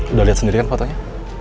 udah lihat sendiri kan fotonya